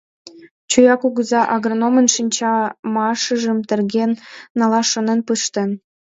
Чоя кугыза, агрономын шинчымашыжым терген налаш шонен пыштен.